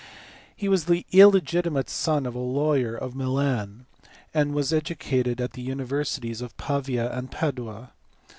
He was the illegitimate son of a lawyer of Milan, and was educated at the universities of Pavia and Padua.